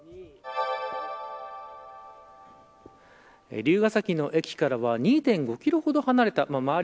龍ケ崎の駅からは２．５キロほど離れた周り